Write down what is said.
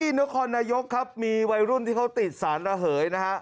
นครนายกครับมีวัยรุ่นที่เขาติดสารระเหยนะฮะ